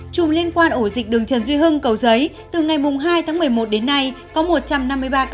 chùm liên quan ổ dịch đường trần duy hưng cầu giấy từ ngày hai tháng một mươi một đến nay có một trăm năm mươi ba ca